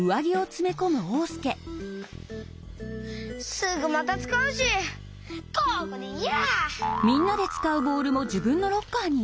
すぐまたつかうしここでいいや。